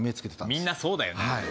みんなそうだよね